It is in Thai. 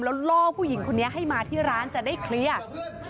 แล้วล่อผู้หญิงคนนี้ให้มาที่ร้านจะได้เคลียร์